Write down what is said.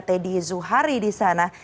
teddy zuhari di sana